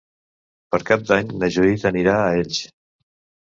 Per Cap d'Any na Judit anirà a Elx.